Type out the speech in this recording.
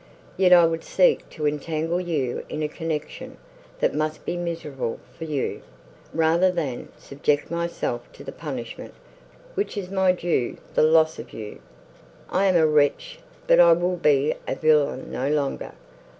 Yet I would seek to entangle you in a connection, that must be miserable for you, rather than subject myself to the punishment, which is my due, the loss of you. I am a wretch, but I will be a villain no longer.